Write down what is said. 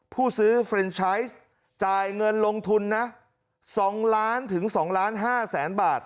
ผู้ซื้อเฟรนชัยจ่ายเงินลงทุนนะ๒ล้านถึง๒ล้าน๕แสนบาท